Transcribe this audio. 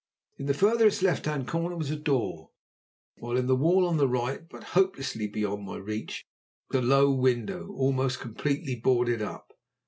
In the furthest left hand corner was a door, while in the wall on the right, but hopelessly beyond my reach, was a low window almost completely boarded up.